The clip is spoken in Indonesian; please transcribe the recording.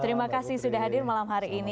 terima kasih sudah hadir malam hari ini